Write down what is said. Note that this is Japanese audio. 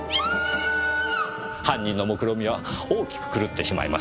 犯人のもくろみは大きく狂ってしまいます。